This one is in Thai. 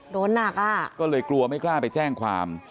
โดนหนักอ่ะก็เลยกลัวไม่กล้าไปแจ้งความ